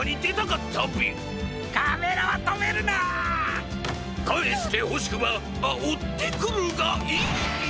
かえしてほしくばあおってくるがいいビ！